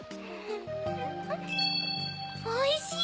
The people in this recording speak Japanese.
おいしい！